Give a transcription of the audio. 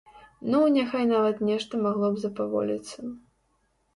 Ну, няхай нават нешта магло б запаволіцца.